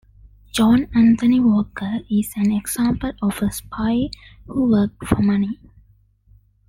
John Anthony Walker is an example of a spy who worked for money.